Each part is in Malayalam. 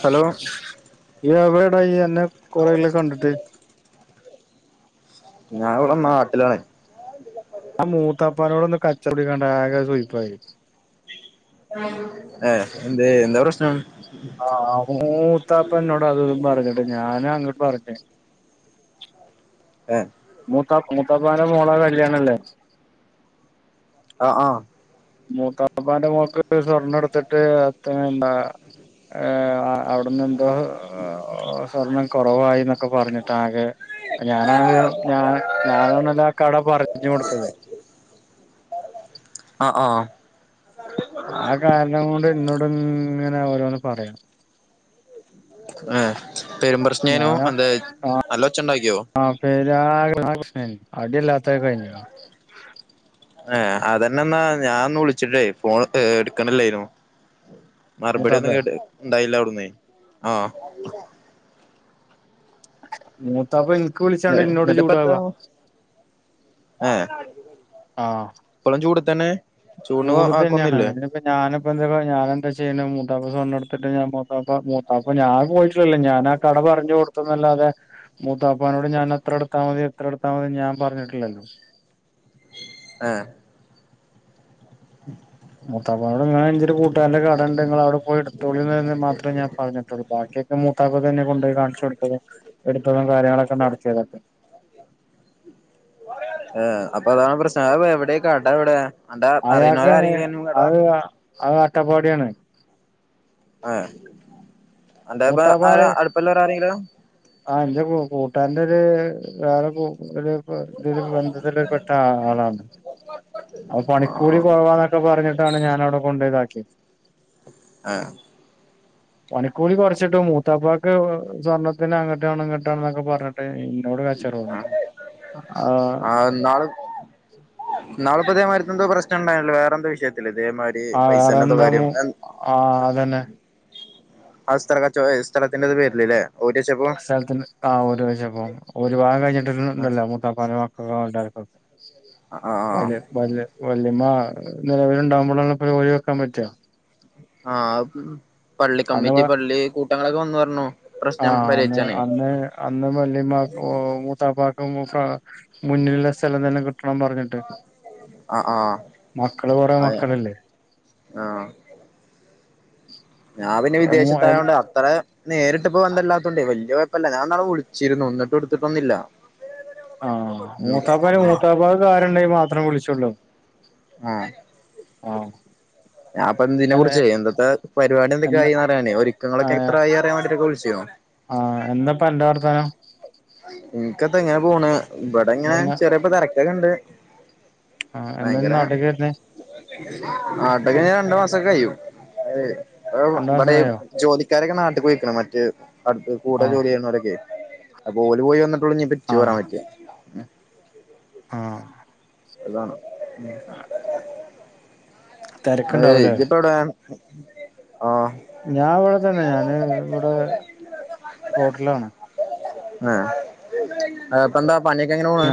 ഹലോ വിടായി എന്നന്നെ കൊറെല്ല കണ്ടിട്ട് ഞാൻ ഇവിടെ നാട്ടിലാണ് ആഹ മൂത്താപ്പാനോട് ഒന്ന് കച്ചവടി കണ്ടാകെ കൊയപ്പായി ആഹ എന്ത് എന്താ പ്രശ്ന ആഹ മൂത്താപ്പ എന്നോട അത ഇതും പറഞ്ഞിട്ട് ഞാന അങ്ങോട്ട് പറഞ്ഞേ [inaudible] ഉം മൂത്ത മൂത്താപ്പാന്റെ മോള കല്യാണല്ലേ ആഹ ആഹ മൂക്കപ്പാന്റെ മോക്ക് സ്വർണ്ണ എടുത്തിട്ട് അത്ര എന്താ ഏഹ അവിടന്ന് എന്തോ സ്വർണം കുറവായി എന്നൊക്കെ പറഞ്ഞിട്ട ആകെ ഞാനാണത് ഞാൻ ഞാനാണല്ലോ ആഹ കട പറഞ്ഞു കൊടുത്തത് ആഹ ആഹ ആഹ കാലണംം കൊണ്ട് എന്നോട് ഇങ്ങനെ ഓരോന്ന് പറയാം ഏഹ പെരുമ്പ്രശ്നനും ഞാനാ എന്താ നല്ല ഒച്ച ഉണ്ടാക്കിയോ പര്ക ആകേ പ്രശ്നായി അടിയല്ലാത്തക്കെ കഴിഞ്ഞു ഏഹ അതന്നെ എന്നാ ഞാാനൊന്നന്ന് വിളിച്ചിട്ടില്ലേ ഫോൺ എടുക്കണില്ലായിരുന്നു മറുപടിയ ഒന്നും മൂത്താപ്പേ കേട്ട ഇണ്ടായില്ല അവിടന്ന് ആഹ മൂത്താപ്പ എനിക്ക് വിളിച്ചാണ്ട് ഇന്നോട് ചൂടാവാ ആഹ ആഹ ഇപ്പോളും ചൂട് തന്നെ ചൂട് ആക്കൊന്നുല്ലേ ഞാനപ്പപ്പോ എന്തൊക്ക ഞാന എന്താ ചെയ്യ മൂത്താ സ്വണ് എടുത്തിട്ട് ഞാൻ മ മൂത്തപ്പ ഞാ പോയി ഞാൻ ആഹ കട പറഞ്ഞു കൊടുത്തുന്നല്ലാതെ മൂത്താപ്പാനോട് ഞാൻത്ര എത്താൽതി എത്ര എടുത്താൽ മതി ഞൻ പറഞ്ഞിട്ടില്ലെ ആഹ ഉം മൂത്താപ്പനോട് ഞാൻ എൻ്റെ ഒരു കൂട്ടുകാന്റെ കട ഉണ്ട് നിങ്ങൾ അവിടെ പോയി എടുത്തോളിന്ന്ത്രേ ഞാൻ പറഞ്ഞിട്ടുള്ളൂ ബാക്കി മൂത്താപ്പ തന്നെ കൊണ്ട പോോയി കാണിച്ച കൊടുത്തതും എടുത്തതും കാര്യങ്ങളൊക്കെ നടത്തിയതൊക്കെ ആ അപ്പൊ അതാണ് പ്രശ്ന എവിടെക്കട എവിടെ അന്റെ അറിയുന്നോര് അയാൾക്കാണ് ആരെങ്കിലും കട അത് അത് അട്ടപ്പാടിയാണ് ആ എന്ത ഇപ്പ [unintelligible] മൂത്താപ്പാടെ ആ അടുപ്പല്ലരാ ആരെങ്കിലും ആ എന്റെ കൂട്ടാന്റെ ഒരു വേറെ ഒരു ഒരു ബന്ധത്തി പെട്ട ആളാണ് അപ്പൊ പണിക്കൂടി കുറവാന്നൊക്കെ പറഞ്ഞിട്ടാണ് ഞാാന അവിടെ കൊണ്ട ഇതാക്കിയത് ആഹ പണിക്കൂലി കുറച്ചിട്ട് മൂത്താപ്പാക്ക് സ്വർണ്ണ ന്നെ അങ്ങട്ടാണ് ഇങ്ങട്ടാ എന്നൊക്കെ പറഞ്ഞിട്ട് ഇന്നോട് കച്ചറവുണ്ട് ആ ന്നാൾ നാളപ്പ ഇ അതേമാതിത്തെ എന്തോ പ്രശ്നംണ്ടായില്ലോ വേറെന്തോ വിഷയത്തില് ഇതേമാതി ആ പൈസ ൻ്റെ വേറെന്താ ന്തോകാര്യം മൂ ആ അതന്നെ ആ സ്ഥലക്ക ച സ്ഥലത്തിൻ്റെ ഒക്കെ പേരില്ല്ലെ സ്ഥലത്തി ആ ഒരുരാപ്പ ഒരു ഭാഗം കഴിഞ്ഞിട്ടി ആഹ് ഇണ്ടല്ലട്ട സക്ക ഓഡ ആഹ് [unintelligible] വല്യമ്മ നിലവില ഉണ്ടാവകുമ്പോ ളാണ്പോയ ക്കാൻ പറ്റാ ആഹ പള്ളി അന്ന് കമ്മിറ്റി പള്ളി കൂട്ടങ്ങളൊക്കെ വന്ന്ു പറഞ്ഞു ആഹ പ്രശ്നം അ പരിഹരിച്ചാനേ അന്ന് അന്ന് വല്ലിമാ മൂത്താപ്പ മുന്നിലുള്ള സ്ഥലം തന്നെ കിട്ടണം പറഞ്ഞ ആഹ് ആഹ് ട്ട്മക്കള് കൊറെ അതെ മക്കളല്ലേ ആഹ് ഞാൻ പിന്നെ എ, മൂ എൽ വിദേശത്തായോണ്ട് അത്ര നേരിട്ട ഇപ്പൊ വന്തല്ലാത്തോണ്ടേ വലിയ കുഴപ്പല്ല ഞാൻന്നാളെ വിളിച്ചിരുന്നു ഒന്നിട്ട് എടുത്തിട്ടൊന്നുംില്ല ആഹ മൂത്താപ്പക്ക് മൂത്താപ്പാ കാര്യ ണ്ടെിൽ മാത്രേ വിളിച്ചുള്ളൂ ആഹ ആഹ അ അപ്പ ഇതിനെ കുറിച്ച് എന്തത്തെ പരിപാടി എന്നെ എന്തൊക്കെയായിന്ന്റിയാനേ ഒ ഒരുക്കങ്ങളൊക്കെ എത്രായി അിയാൻ വേണ്ടിട്ടക്കെ വിളിച്ചിരുന്നു ആ എന്തപ്പാ അന്റെ വർത്താനം ഇൻ ക്കത്ത ഇങ്ങനെ പോണ് ഇവിടെങ്ങനെ ഇയ്യെന്നാ ചെറിപ്പ തെരക്കൊക്കെണ്ട് ആഹ് എന്നാ ഇയ്യ് ഭയങ്കരാണ് നാട്ട്ക്ക് വരുന്നേ ആട്ടക്ക രണ്ടു മാസൊക്കെ കഴും രണ്ട് മാസം ഇവിടെ കഴിയോ ജോലിക്കാരൊക്കെ നാട്ടി പോയ്ക്ണ് മറ്റ് അടുത്ത് കൂടെ ആഹ് ജോലി ചെയ്യുന്നൊരൊക്കെ അപ്പ ഓല് പോയി വന്നട്ട് ള്ളു ഞ് പ്പ ഇച്ച് വരാൻ പറ്റാ ആഹ അതാണ് ഉ തെരക്ക്ണ്ടാവുംല്ലേ ഇജിപ്പവിടൊ ആഹ ഞാൻ ഇവിടെ തന്നെ ഞാന് ഇവിടെ റോട്ടിലാണ് ആഹ ആപ്പ എന്താ പണിയൊക്കെ എങ്ങനെ പോണ്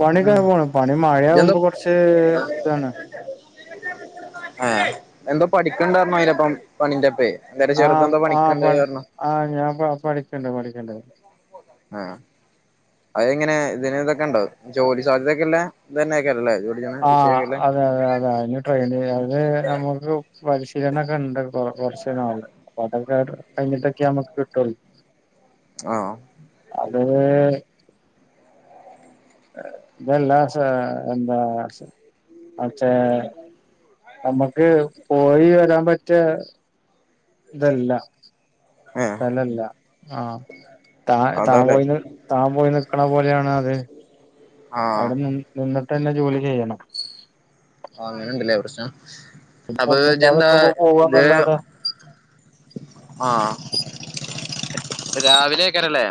പണി ഒക്കെ അങ്ങനെ പോണ പണി ഇജ്ജെന്താ മഴയാകുമ്പോ കുറച്ച് ഇതാണ് ആഹ എന്തോ പഠിക്കണ്ടന്നറിഞ്ഞു അയിന പ്പം പണിന്റെ പേ എന്തേരം ആ ചെറുതെന്താ ആ പണിക്കണ്ട പണി പറഞ്ഞ ആ ഞാൻ പ പഠിക്കണ്ട് പഠിക്കണ്ട് ആഹ് അതെങ്ങനെ ഇതിന് ഇതൊക്കെ ഉണ്ടോ ജോലി സാധ്യതയക്കെല്ലെ ഇതന്നെയൊക്കെല്ലേ ജോലിക്കണ ആ വിഷയൊക്കെല്ലേ അതെ അതെ അതെ അന് ട്രെയിൻ ചെയ് അത് നമുക്ക് പരിശീലനക്കെണ്ട് കൊ കൊറച്ച് നാള് അപ്പൊ അതൊക്കെ കഴിഞ്ഞിട്ടൊക്കെ നമക്ക് കിട്ടുള്ളൂ ആഹ് അത് ഇതല്ല സ എന്താ മറ്റേ നമ്മക്ക് പോയി വരാൻ പറ്റിയ ഇതല്ല ഏഹ് സ്ഥലല്ല ആഹ താ താ അതാല്ലേ പോയിന്ന് താൻ പോയി നിക്കണ പോലെയാണ് അത് ആഹ് അവിടെ നി നിന്നിട്ട് തന്നെ ജോലി ചെയ്യണം ആ അങ്ങനെണ്ടല്ലേ പ്രശ്നം ഇപ്പൊ ഒന്നുമില്ലാതെ അപ്പൊന്താ നിക്കുമ്പോ ഇത് പോവാന്നല്ലാതെ ആഹ് രാവിലെയ്ക്കാരെല്ലേ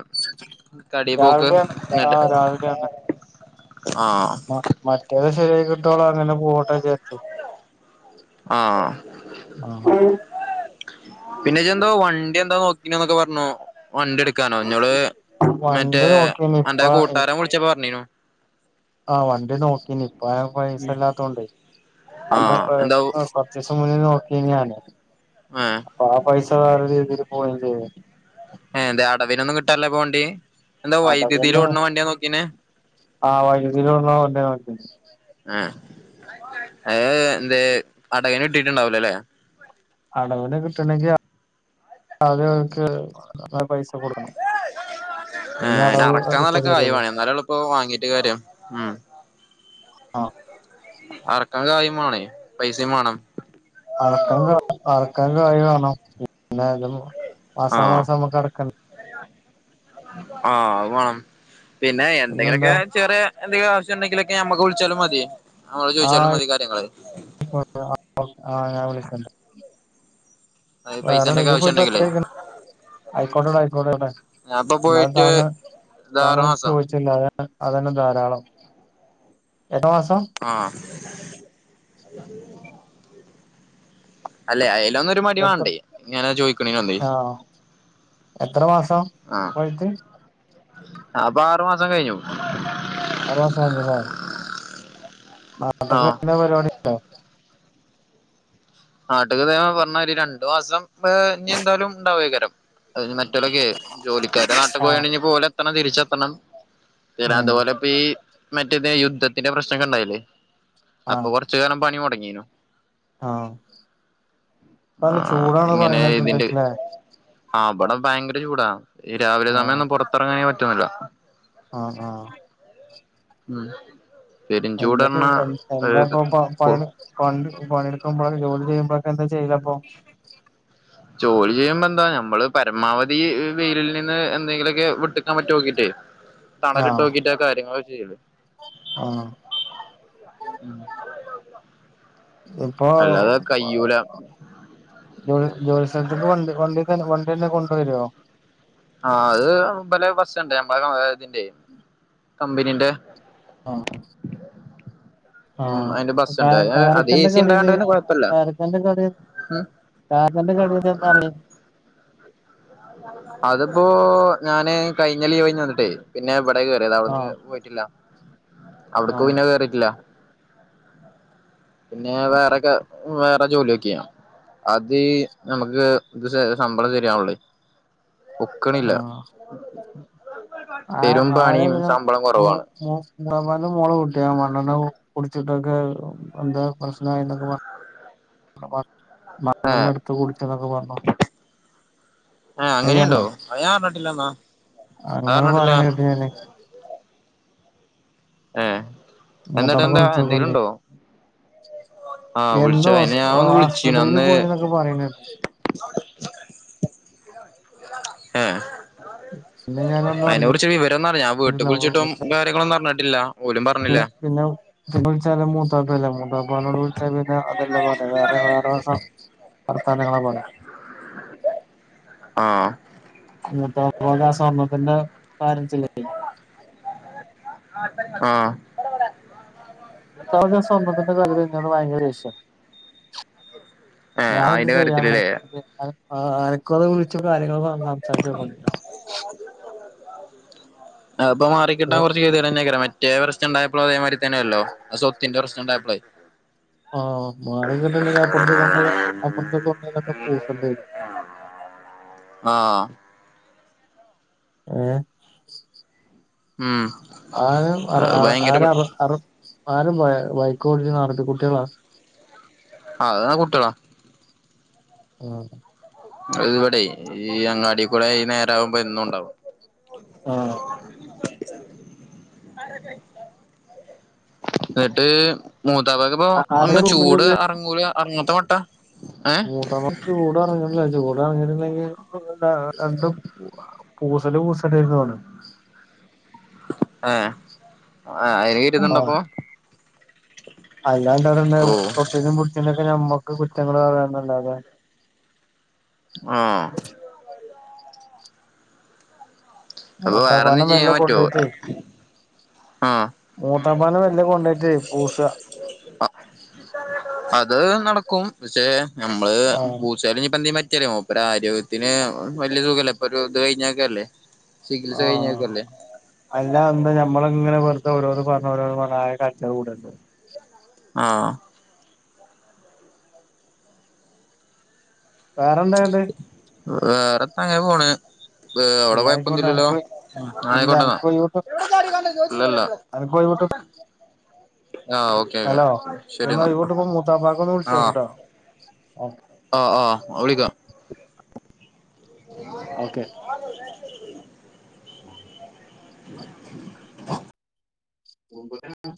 കടി പോക്ക്ട്ട രാവിലെയാണ് ആ രാവിലെയാണ് ആഹ് മറ്റേത് ശരെയി കിട്ടോളോ അങ്ങനെ പോകട്ടെച്ചു ആഹ് ആ പിന്നെജെന്തോ വണ്ടി എന്താ നോക്ക പിന്നൊക്കെറഞ്ഞോ വണ്ടിടുക്ക ക്കാനോ നിള് മറ്റേ വണ്ടി നോക്കീനി ഇപ്പ എന്റെ കൂട്ടാരൻ വിളിച്ച പറഞ്ഞീനു ആഹ് വണ്ടി നോക്കീ ഇപ്പ ആ പൈസല്ലാത്തോണ്ട് ആഹ് എന്താ [unintelligible] ആഹ് ആ പൈസ വേറെ രീതിൽ പോയയും ചെയ്യ ഏ് എന്ത അടവിനൊന്നും കിട്ടല്ലേപ്പോ വണ്ടി എന്താ വൈദ്യുതിയിൽ അടവിന് ഓടുന്ന വണ്ടിയാ നോക്കീനെ ആ വൈദ്യുതിയിലള്ളണ്ട വണ്ടി നോക്യേ ആഹ് അത് എന്ത അടകന് കിട്ടിട്ടണ്ടാവലോ അല്ലേ അടവിന് കിട്ടണെങ്കിൽ ആദ്യക്ക് പൈസ കൊടുക്കണം പിന്നെ ആഹ് അ അടവ് അറക്കാൻ ഇപ്പ നല്ലൊ കായി തരുള്ളൂ വേണ എന്നാലളപ്പോ വാങ്ങീട്ട് കാര്യം ഉം ആ ആറക്കൻ കായിം വേണേ പൈസേം വേണം അറക്കൻ കായ് വെണം പിന്നെ മാസ മാസം നമ്മക്ക് അടക്കണ്ട് ആഹ് അത് വാ ണംപിന്നെ പിന്നെന്താ എന്തെങ്കിലുക്കെ ചെറ എന്തെങ്കിലും ആവശ്യം ഉണ്ടെങ്കിലൊക്കെ ഞമ്മക്ക് വിളിച്ചാലും മതി നമ്മ ആ ചോദിച്ചാലും മതി കാര്യങ്ങള് ആ ഞാൻ വിളിച്ചണ്ട് [inaudible] അത് വേറെ പൈസന്റെ ഒക്കെ എവിടെ ആവശ്യം പോയിട്ട് ഉണ്ടെങ്കിലേ പത്തര ആയിക്കോട്ടെട ആയിക്കോട്ടെട ഞാൻ ഇപ്പൊ എന്നാലും പോയിട്ട് താങ്കൾ ഇതാറ് താങ്കൾ മാസം ചോദിച്ച പിന്ന അതന്നെ അതന്നെ ധാരാളം എത്ര മാസം ആഹ് അല്ലെ അയിലൊന്നരു മടി എത്ര വേണ്ടേ ഞാനത് ചോയ്ക്ണെനോന്നെ ആഹ് എത്ര മാസം പോയിട്ട് ആതപ്പൊ ആറു മാസം കഴിഞ്ഞു ആരുമാസം ആണല്ലേ നാട്ടിലൊക്കെ ആഹ് എങ്ങനെ പരുപാടി നാട്ടുകത ഞാൻ പറഞ്ഞയിരി രണ്ടു മാസം ഇനി എന്തായാലും ണ്ടാവെക്കാരം അതിന് മറ്റലൊക്കെ ജോലിക്കാര് നാട്ട് ആഹ് പോയാണെ ഓൽ എത്തണം തിരിച്ചെത്തണം സിറാത്ത് ഉം പോലെ ഇപ്പ ഈ മറ്റേത് യുദ്ധത്തിന്റെ പ്രശ്നക്കെ ണ്ടായില്ലേ അപ്പൊ ആഹ് കൊറച്ചു നേരം പണി മുടങ്ങീനു ആഹ് പ്പോ നല്ല ആഹ് ചൂടാണ് ഇങ്ങനെ പറയണൊക്കേണ്ട് ഇതിന്റെ ലെ ആഹ് ഇവടെ ഭയങ്കര ചൂടാ ഈ രാവിലെ ആഹ് സമയൊന്നും പൊറത്തെറങ്ങാനേ പറ്റുന്നില്ല ആഹ് ആഹ് ഉം പെരും എന്തൊക്കെ ചൂടറഞ്ഞാ എ എന്താപ്പൊ പ പണി പണ്ട് പണീടെക്കാൻ പോയാൽ ജോലി ചെയ്യുമ്പോക്കെ എന്താ ചെയ്യല് അപ്പോ ജോലി ചെയ്യുമ്പ എന്താ ഞമ്മള് പരമാവധി വെയിലിൽ നിന്ന് എന്തെങ്കിലോക്കെ വിട്ട്ക്കാൻ പറ്റോ നോക്കിട്ടേ തണലിട്ട് ആഹ് നോക്കിട്ടാ കാര്യങ്ങളൊക്കെ ചെയ്യല് ആഹ് ഇപ്പൊ അല്ലാതെ കയ്യൂല ജോലി ജോലി സ്ഥലത്ത്ക്ക് വണ്ടി വണ്ടിത്തന്നെ വണ്ടിന്നെ കൊണ്ട് വരോ ആഹ് അത് പലെ ബസ് ണ്ട് മ്മള [unintelligible] കമ്പനിന്റെ ഉം അതിന്റെ ആഹ് ബസ്സുണ്ട് അത് എ കാരക്കാന്റെ സി കടയില് ഉണ്ടായോണ്ട് പിന്നെ കൊഴപ്പല്ല കാരക്കാന്റെ കട ഉം കാരക്കാന്റെ കടേന്ന് എന്നെറങ്ങി അത് പ്പോ ഞാന് കഴിഞ്ഞ ലീവ് കഴിഞ്ഞ് വന്നിട്ടേ പിന്നെ ഇവിടെ കേറിയത് അവിടുന്ന് കേ ആഹ് പോയി ട്ടില്ല അവിട്ക്ക് ആഹ് പിന്നെ കേറീട്ടില്ല പിന്നെ വേറെക്കെ വേറെ ജോലിയോക്കീനു അതീ ഞമ്മക്ക് ഇത് ശമ്പളം ശരിയാവണ്ല്ലേ ഒ ആഹ് ആഹ് പെരും ആഹ് ആരെ പണിയും പിന്ന ശമ്പളം മു കുറവാണ് മു ഉമ്മുഅമ്മായിന്റെ മോളെ കുട്ടിയാ മണ്ണെണ്ണ കുടിച്ചിട്ടൊക്കെ എന്തോ പ്രശ്നായിന്നൊക്കെ പറഞ്- ആഹ് [unintelligible] ഏഹ് മണ്ണെണ്ണ എടുത്ത് കുടിച്ചെന്നൊക്കെ പറഞ്ഞു ഏഹ് അയ്യോ അല്ല അങ്ങനെയുണ്ടോ അത് ഞാൻ അറിഞ്ഞിട്ടില്ലന്നാ അത് അങ്ങനെ അറിഞ്ഞിട്ടില്ല പറയണ കേക്ക്ണില്ലേ ഏഹ് മൂത്താപ്പാക്ക് എന്നിട്ടെന്താ എന്തേലും വിളിച്ചോക്കോണ്ടി ഉണ്ടോ ആഹ് എന്ന് ഉത്സവാ അയ്നു ഹോസ് ഞാൻ ഒന്ന് വിളിച്ചീനു ആസ്പത്രിയിൽ അന്ന് പോയിന്നൊക്കെ പറയണ കേട്ട് ഏഹ് പിന്നെ ഞാനൊന്നും അയിനോട്‌ ച്ചാ വിവരം ന്നറിയാ ഞാൻ വീട്ട്ക്ക് അറിഞ്ഞിട്ടില്ല വിളിച്ചിട്ടും കാര്യങ്ങളൊന്നും അറിഞ്ഞിട്ടില്ല ഓലും പറഞ്ഞില്ല പിന്നെ പിന്നെ വിളിച്ചാലും മൂത്താപ്പാല്ലേ മൂത്താപ്പാനോട്‌ വി പിന്നിപ്പോ അതല്ല പറയാ വേറെ വേറെ വർത്താനങ്ങളാ പറയാ ആഹ് മൂത്താപ്പാൻ്റെ ആ സ്വർണ്ണത്തിന്റെ ബാലൻസില്ലേ ആഹ് മൂത്താപ്പാക്ക് ആ സ്വർണ്ണത്തിന്റെ കാര്യത്തിൽ ഇന്നോട് ഭയങ്കര ദേഷ്യ ഏഹ് ഞാനെന്ത് അയിന്റെ കാര്യത്തിലല്ലേ ചെയ്യാനാണ് അനക്ക് ഒന്ന് വിളിച്ചു കാര്യങ്ങള് പറഞ്ഞ് സംസാരിച്ച് [unintelligible] അത്പ്പൊ മാറിക്കിട്ടാൻ ഓ കൊറച് [unintelligible] മറ്റേ പ്രശ്നംണ്ടായപ്ളും അതേ മാതിരി തന്നെയല്ലോ ആ സ്വത്തിന്റെ പ്രശ്നം ണ്ടായപ്പളേ ആഹ് മാറി കിട്ടണങ്കി അപ്പുറത്തെ കൊണ്ടോയി അപ്പറത്തെ കൊണ്ടെന്നൊക്കെ പൂസണ്ടെരും ആഹ് ഏഹ് ഉം ആരും അറ അത് അറ ഭയങ്കര ആരാ പെ ആറും അറും ആരും ബൈക്കോട്ടിപ്പ് നടത്തി കുട്ട്യാളാ ആഹ് അതാ കുട്ടികളാ ഉം അതിവിടെ ഈ അങ്ങാടീ കൂടെ ഈ നേരാവുമ്പോ എന്നുണ്ടാവും ആഹ് എന്നട്ട് മൂത്താപക്ക്പ്പൊ ആരെ ഒന്ന് ചൂട് റൂമിലില്ലേ അറങ്ങൂല അറങ്ങാത്തെ മട്ട മൂത്താപ്പ ചൂടറ്‌ങ്ങ്ല്ല ചൂടറങ്ങി ഇറങ്ങിട്ടെങ്കിൽ ണ്ടും പൂസല് [unintelligible] ഏ ആ അയിനേറ്റ് കണ്ടപ്പോ അല്ലാന്താണ് ഓ വ്ടെണ്ടാകും തൊട്ടേനും പിടിച്ചേനൊക്കെ ഞമ്മക്ക് കുറ്റങ്ങൾ താണ്ടാക ആഹ് അപ്പൊ മൂത്താപാനെ വേറെന്നും ചെയ്യാൻ മെല്ലെ പറ്റുവോ കൊണ്ടയിട്ടേ ആ മൂത്താപാനെ മെല്ല കൊണ്ടോയിട്ടേ പൂസ ആ അത് നടക്കും പക്ഷെ നമ്മള് ആഹ് ചാല് പ്പന്തേപറ്റരൊ മൂപ്പരാരോഗ്യത്തിന് വെല്ല്യസുഖല്ലേ ഇപ്പൊരു ത് കയിഞ്ഞൊക്കെല്ലേ ആഹ് അല്ല എന്താ നമ്മളങ്ങനെ വെർതെ ഓരോന്ന്പറഞ്ഞ് ഓരോന്ന് പറഞ്ഞാകെ കച്ചറ കൂടണ്ട് ആഹ്‌ വേറെന്താണ്ടെ വേറെത്താങ്ങനെ പോണ് ഏഹ്‌ അവ്ടെ എന്നായിക്കോട്ടെ കൊയപ്പൊന്നില്ലല്ലോ അനക്ക് ന്നാ ഇല്ല യിക്കോട്ടെന്ന അനക്കൊഴിവുട്ട ല്ലാ ല്ല അനക്കൊഴിവുട്ട ആഹ് ഓ ഹലോ ഒന്നേഴിവ്ട്ട്മ്പോ മൂത്താപ്പക്കൊന്ന് ആഹ് വിളിച്ചോക്ക്‌ട്ടോ ആഹ് ആഹ് വിളിക്ക ഓക്കെ [unintelligible] [unintelligible]